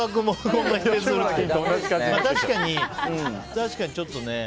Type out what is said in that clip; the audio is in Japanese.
確かに、ちょっとね。